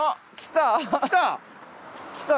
来た！